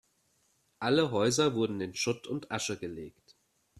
Alle Häuser wurden in Schutt und Asche gelegt.